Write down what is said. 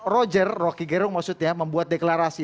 roger rocky gerung maksudnya membuat deklarasi